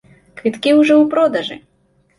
Квіткі ўжо ў продажы!